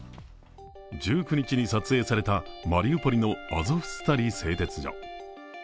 １９日に撮影されたマリウポリのアゾフスタリ製鉄所。